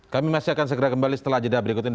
kami masih akan segera kembali setelah jeda berikut ini